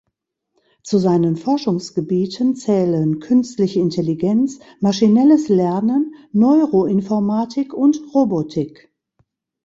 Zu seinen Forschungsgebieten zählen Künstliche Intelligenz, Maschinelles Lernen, Neuroinformatik und Robotik.